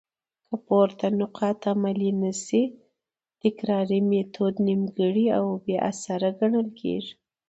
که پورته نقاط عملي نه سي؛ تکراري ميتود نيمګړي او بي اثره ګڼل کيږي.